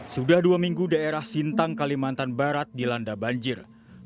sudah dua minggu daerah sintang kalimantan barat dilanda banjir